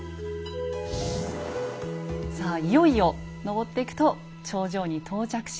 さあいよいよ登っていくと頂上に到着します。